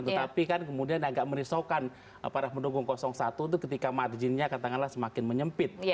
tetapi kan kemudian agak merisaukan para pendukung satu itu ketika marginnya katakanlah semakin menyempit